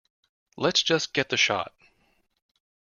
Lets just get the shot.